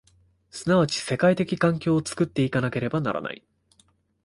即ち世界的環境を作って行かなければならない。